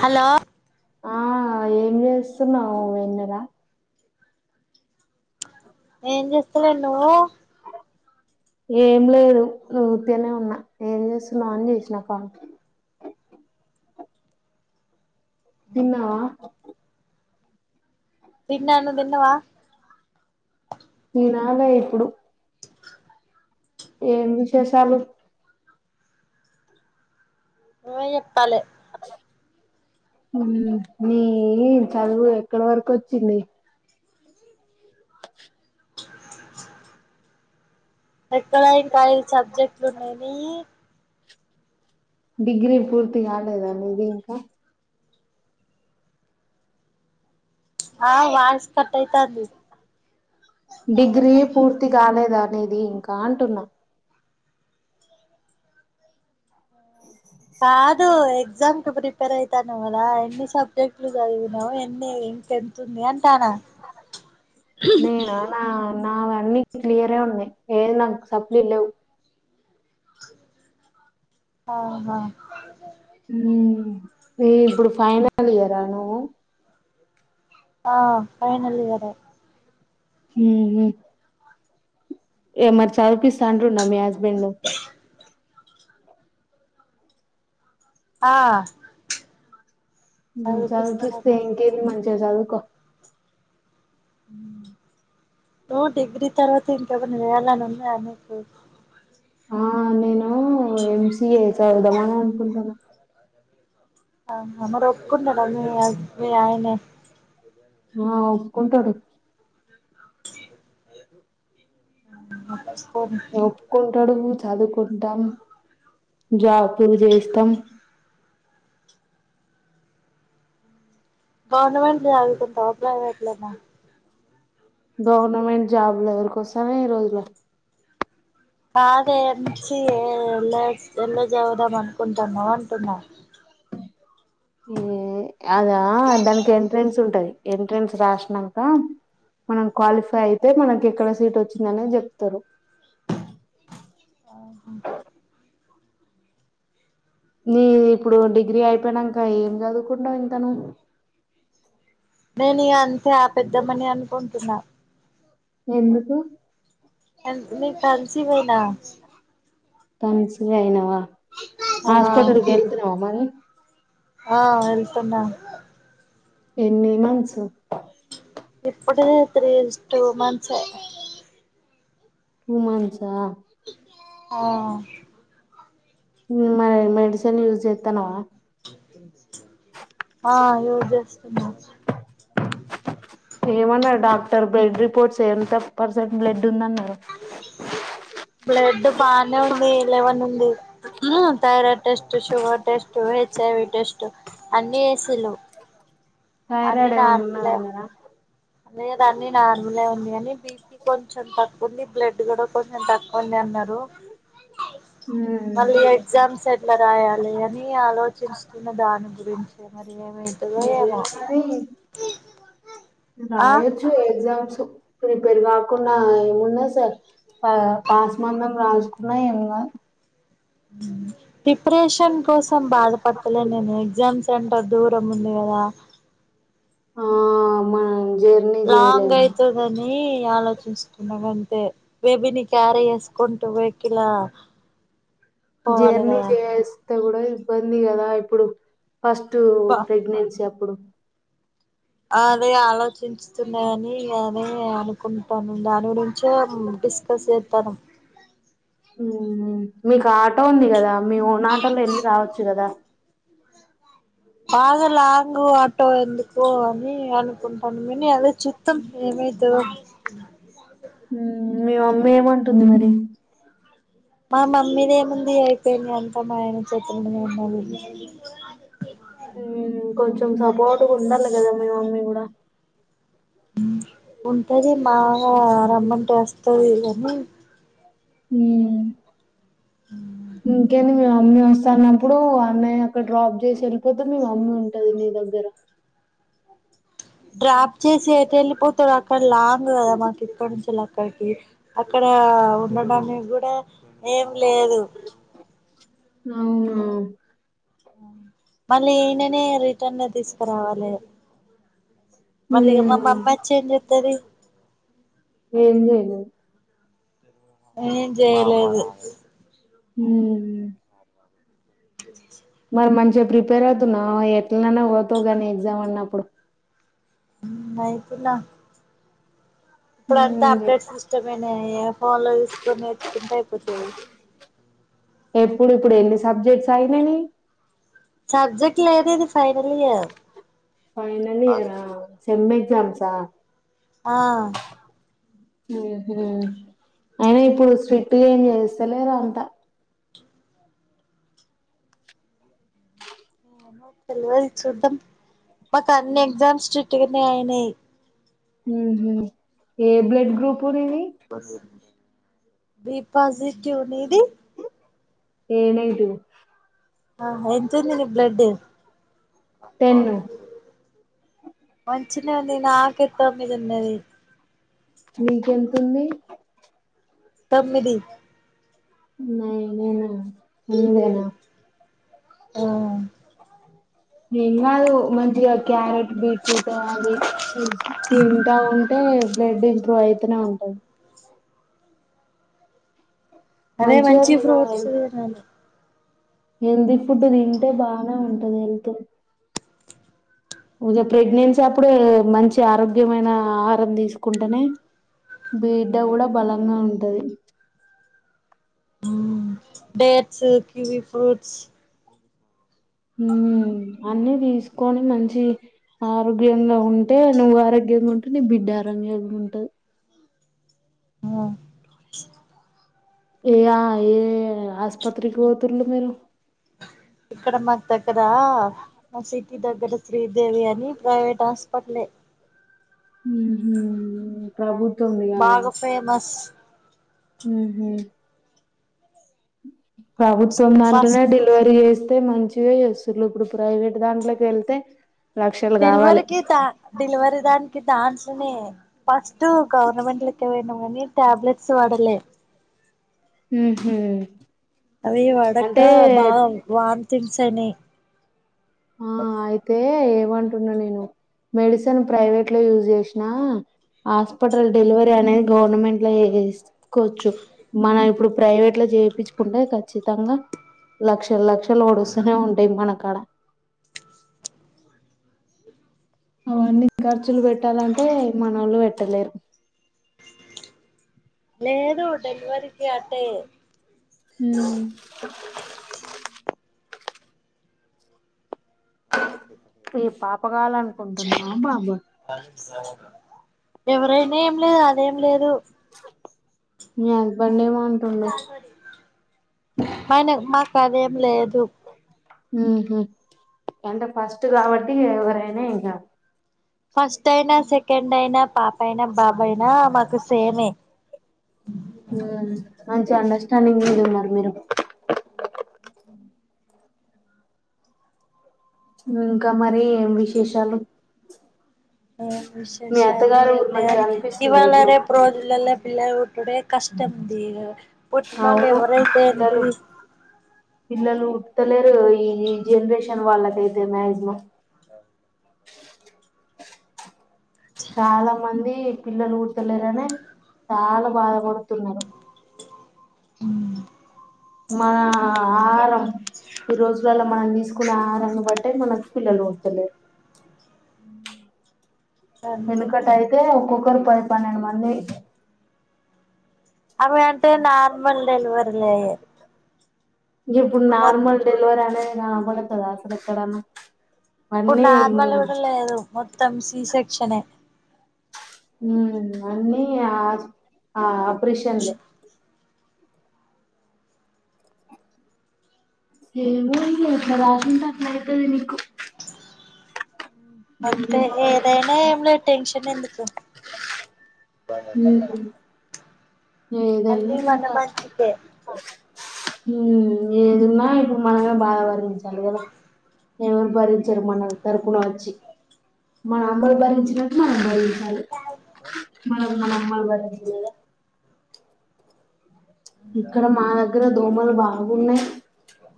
hello ఆ ఏం చేస్తున్నావు వెన్నెలా ఏం చేస్తేలే నువ్వు ఏం లేదు ఉ ఉత్తిగానే ఉన్నా ఏం చేస్తున్నా అన్ చేసిన కాల్ తిన్నావా తిన్న నువ్ దిన్నవా తినాలే ఇప్పుడు ఏం విశేషాలు నువే చెప్పాలె ఊ నీ చదువు ఎక్కడ వరకు ఓచ్చింది ఎక్కడా ఇంకా ఐదు సబ్జెక్టులున్నయి నీయి డిగ్రీ పూర్తి గాలేదా నీది ఇంకా ఆ వయాస్ కట్టైతంది డిగ్రీ పూర్తి కాలేద నీది ఇంకా అంటున్న కాదు ఎగ్జామ్ కి ప్రిపేర్ అయితన్నవు గదా ఎన్ని సబ్జెక్ట్లు చదివినవు ఎన్ని ఇంక ఎంతుంది అంటానా నేనా నా వన్నీ క్లియరే ఉన్నయి ఏది నాకు సప్లిలు లేవు ఆహా ఊ నీవి ఇప్పుడు ఫైనల్ ఇయరా నువ్వు ఆ ఫైనల్ ఇయరే ఉ హు ఏ మరి చదివిపిస్సా అంటుండా మీ హస్బెండు ఆ ఉ చదిపిస్తారట చదివిపిస్తే ఇంకేంది మంచిగ చదువు కో ఉమ్ ఓ డిగ్రీ తర్వాత ఇంకేమన్నా చేయలని ఉన్నదా నీకు ఆ నేను ఎంసిఏ చదుదామని అనుకుంటానా ఆ మరే ఒప్పుకున్నడ మీ హస్ మీ అయినే ఆ ఒప్పుకుంటాడు ఒప్పుకోడు ఒప్పుకుంటడు చదువుకుంటాం జాబ్ కురు జెస్తాం గవర్నమెంట్ల సదువుకుంటవ పప్రైవేట్లోనా గవర్నమెంట్ జాబ్లు ఎవరికి వస్తానాయి ఈ రోజుల కాదేం ఎంసిఏ ఎళ్ళ ఎల్లో చదువుదాం అనుకుంటానవ్ అంటున్నా ఏ అదా దానికి ఎంట్రెన్స్ ఉంటది ఎంట్రెన్స్ రాసినంక మనం క్వాలిఫై అయితే మనకి ఎక్కడ సీట్ అనేది చెప్తారు ఆహా నీ ఇప్పుడు డిగ్రీ అయిపోయినాక ఏం చదువుకుంటావు ఇంకా నువ్వు నేను ఇగా అంతే ఆ పెద్దమని అనుకుంటున్నా ఎందుకు నీ మీరు కన్సీవేనా కాన్సివ్ అయినావా ఆ ఆస్పత్రికి వెళ్తున్నావా మరి ఆ వెళ్తున్నా ఎన్ని మంత్స్ ఇప్పుడే తీ టూ మంత్స్ టూ మంత్స్ సా ఆ ఉమ్ మరి మెడిసిన్ యూస్ చేస్తానవా ఆ ఎవర్ చేస్తున్నా ఏమన్నా డాక్టర్ బ్లడ్ రిపోర్ట్స్ ఎంత పర్సెంట్ బ్లడ్ ఉందన్నర్ బ్లడ్ బానే ఉంది లెవన్ ఉంది ఉమ్ thyroid test sugar test HIV test అన్ని చేసిల్లు అన్ని థైరాయిడ్ ఏమన్నా నార్మలే ఉన్నదన్నారా లేదు అన్ని నార్మలే ఉంది కాని బీపి కొంచెం తక్కువ ఉంది బ్లడ్ కూడా కొంచెం తక్కువ ఉంది అన్నారు ఉ మళ్ళీ ఎగ్జామ్స్ ఎట్లా రాయాలి అని ఆలోచించుతున్న దాని గురించి మరి ఏమ ఇంకా ఏమో ఏమున్నది ఆ రాయొచ్చు ఎగ్జామ్స్ ప్రిపేర్ కాకుండా ఏముంద సార్ ఆ పాస్మందం రాస్కున్నా ఏం కాద్ ప్రిప్రేషన్ కోసం బాధపట్టలే నేను ఎగ్ ఎగ్జామ్ సెంటర్ దూరం ఉంది కదా ఆ అమాన్ లాంగ్ అయితదని ఆలోచన వేసుకున్నవ్ అంతే బేబీని క్యారి ఎస్కుంటూ వెక్కిల జర్నీ చేస్తే కూడా ఇబ్బంది కదా ఇప్పుడు ఫస్ట్ ప్రెగ్నెన్సీ అప్పుడు అదే ఆలోచిచూతున్నా అని ఇగ అదే అనుకుంటాను దాని గురించే డిస్కస్ చేతానం ఉహు మీకు ఆటో ఉంది కదా మీన్ ఆటోలో వెళ్ళి రావచ్చు కదా బాగా లాంగ్ ఆటో ఎందుకో అని అనుకుంటనం నేను ఇగ అదే చుత్తం ఏమి ఇతదో ఊ మీ మమ్మీ ఏమంటుంది మరి మా మమ్మీదేముంది అయిపోయింది అంత మా ఆయన చేతులోనే ఉన్నది కొంచెం సపోర్ట్ ఉండాలి కదా మీ మమ్మీ కూడా ఉంటది మాగా రమ్మంటే వస్తది కానీ ఊ ఇంకేంది మీ మమ్మీ వస్తన్నప్పుడు అన్నయ్య అక్కడ డ్రాప్ చేసి వెళ్ళిపోతే మీ మమ్మీ ఉంటది నీ దగ్గర డ్రాప్ చేసి ఎటు వెళ్ళిపోతడు అక్కడ లాంగ్ కదా మాకు ఇక్కడ నుంచి అక్కడికి అక్కడ ఆ ఉండడానికి కూడా ఏం లేదు అవునా మళ్ళీ ఈననే రిటర్న్ ల తీసుకురావాలే మళ్ళీ మా మ్మ్ మమ్మీ వచ్చి ఏం చేతది ఏం జేయదు ఏం చేయలేదు ఊ అ మరి మంచిగా ప్రిపేర్ అవుతున్నవ ఎట్లనన పోతావు కానీ ఎగ్జామ్ అన్నప్పుడు ఊ లైఫు ల ఇప్పుడు అంతా మ్మ్ అప్డేట్ సిస్టమ్ ఏనాయే ఆ ఫోన్ ల తీసుకొని నేర్చుకుంటే అయిపోతది ఇప్పుడు ఇప్పుడు ఎన్ని సబ్జెక్ట్స్ ఆగినయి నీయి సబ్జెక్ట్ లేదదు ఇది ఫైనల్ ఇయర్ ఫైనల్ ఇయర్ ఆ సెమ్ ఎక్జామ్సా ఆ అయినా ఇప్పుడు స్ట్రిట్గా ఏం చేస్తలేరు అంతా ఏమో తెలవది చూద్దాం మాకు అన్ని ఎగ్జామ్స్ స్ట్రిక్ట్ గానే అయినయ్ ఉహు ఏ బ్లడ్ గ్రూపు నీది బి పాజిటివ్ నీది ఏ నెగటివ్ ఆహా ఎంతుంద్ది నీ బ్లడ్డు టెన్ వాల్ చిన్నోంది నాకె తొమ్మిది ఉన్నది మీకెతుంది తొమ్మిది నే నేను నువ్వేనా ఓ ఏం కాదు మంచిగా క్యారెట్ బీట్రూట్ అది తింటా ఉంటే బ్లడ్ ఇంప్రూవ్ అయితేనే ఉంటాది అదే మంచిగా మంచి తిను ఫ్రూట్స్ హెల్త్ నను హెల్తీ ఫుడ్ తింటే బానే ఉంటది హెల్త్ ఇంగ ప్రెగ్నెన్సీ అప్పుడు ఊ మంచి ఆరోగ్యమైన ఆహారం తీసుకుంటనే బిడ్డ కూడా బలంగా ఉంటది ఊ డేట్స్ ఉ కివి ఫ్రూట్స్ ఊ ఊ అన్ని తీసుకొని మంచి ఆరోగ్యంగా ఉంటే నువ్వు ఆరోగ్యంగా ఉంటే ని బిడ్డ తరంగే ఉంటది ఆ ఏయా ఏ ఆస్పత్రికి పోతుండ్లు మీరు ఇక్కడ మాకు దగ్గరా మా సిటీ దగ్గర శ్రీదేవి అని ప్రైవేట్ హాస్పిటల్ ఏ హుహు ప్రభుత్వం బాగా ఫేమస్ హుహు ప్రభుత్వం అంటెనే ఫస్ట్ డెలివరీ చేసి స్తే మంచిగా చేస్తులు ఇప్పుడు ప్రైవేట్ దాంట్లోకి వెళ్తే లక్షలు డెలివరీ కావాలి కి డెలివర్ దానికి దాంట్లోనే ఫస్ట్ గవర్నమెంట్ లకే పోయినా కానీ టాబ్లెట్స్ వాడలే హ హ అవి పడక బాగా వామ్ థింగ్స్ అయినయ్ ఆ అయితే ఏమంటున్నా నేను మెడిసిన్ ప్రైవేట్ లది యూజ్ చేసినా హాస్పిటల్ డెలివరీ అనేది గవర్నమెంట్ లో యూస్ వేసుకోవచ్చు మనం ఇప్పుడు ప్రైవేట్ లో చేపిచ్చుకుంటే ఖచ్చితంగా లక్షల లక్షలు ఓడుస్తూనే ఉంటాయి మన కాడ అవన్నీ ఖర్చులు పెట్టాలంటే మన వాళ్ళు పెట్టలేరు [unintelligible] లేదు డెలివరీ కి అటే హూ [unintelligible] చెప్పల అనుకుంటున్నా [unintelligible] ఎవరైనా ఏం లేదు అదేం లేదు మీ హస్బెండ్ ఏమో మాకు అదేం లేదు అంటే ఫస్ట్ కాబట్టి ఎవరైనా ఇంకా ఫస్ట్ అయినా సెకండ్ అయినా పాప అయినా బాబు అయినా మాకు సేమే [unintelligible] మంచి అండర్స్టాండింగ్ మీద ఉన్నారు మీరు ఇంకా మరి ఏం విశేషాలు ఏ మీ విశేషాలు అత్తగారు ఏం ఊరు మంచిగా లేదు అనిపిస్తుందా ఇవాళ ఇప్పుడు రేపు రోజులల్ల పిల్లలు పుట్టుడే కష్టంది పుట్టినోల్లు అవును ఎవరైతే ఎంటి పిల్లలు పిల్లలు పుడతలేరు ఈ జెనరేషన్ [unintelligible] చాలా మంది పిల్లలు పుట్టాలేరనే చాలా బాధపడుతున్నారు అ మన ఆహారం ఈ రోజులలా మనం తీసుకునే ఆహారాన్నీ బట్టే మనకు పిల్లలు కొడతలేరు అ వెనుకట అయితే ఒక్కొక్కరు పది పన్నెండు మంది అర్వంటే నార్మల్ డెలివరీలయే ఇప్పుడు నార్మల్ డెలివీ అనేది అవు బడుతదా అసలు ఎక్కడనా ఇప్పుడు నార్మల్ కూడా లేదు మొత్తం సి సెక్షన్ ఏ అన్నీ ఇగ ఆ అప్రిషన్లే ఏమో ఇగ ఎట్ల రాసినుంటే అట్లైతది నీకు ఏం అంతే చెప్పాలో ఏదైనా ఏం లేదు టెన్షన్ ఎందుకు ఉమ్ పోన ఏదైనా ఇంకా మంచికే హ ఏడున్నా ఇప్పుడు మనమే బాధ భరించాలి కదా ఎవరు భరించరు మన తరపున వచ్చి మన అమ్మలు భరించినట్లు భరి మ మన అమ్మల బాద ఇక్కడ మా దగ్గర దోమలు బాగున్నాయి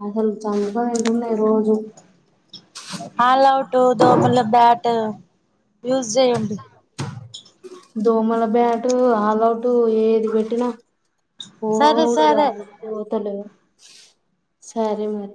అసలు చంపుక తింటున్నాయి రోజు ఆల్ అవుటు దోమల బ్యాట్ యూస్ చేయండి దోమల బ్యాటు ఆల్అవుటు ఏది పెట్టినా సరే పోవుడు సరే కాదు పోతలే సరే మరి